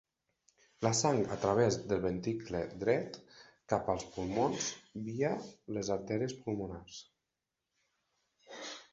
La sang a través del ventricle dret cap als pulmons via les artèries pulmonars.